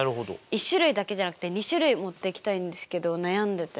１種類だけじゃなくて２種類持っていきたいんですけど悩んでて。